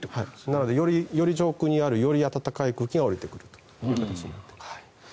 なので、より上空にあるより暖かい空気が下りてくるということですね。